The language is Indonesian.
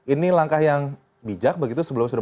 ini langkah yang bijak begitu sebelum sudah